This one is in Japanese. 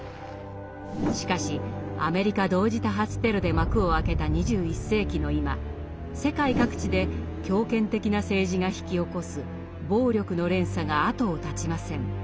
しかしアメリカ同時多発テロで幕を開けた２１世紀の今世界各地で強権的な政治が引き起こす暴力の連鎖が後を絶ちません。